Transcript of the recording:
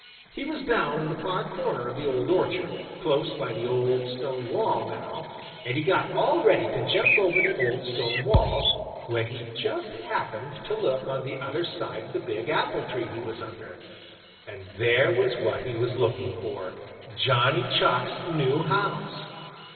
He was down in the far corner of the old orchard, close by the old stone wall now, and he got all ready to jump over the old stone wall, when he just happened to look on the other side of the big apple tree he was under, and there was what he was looking for Johnny Chuck's new house!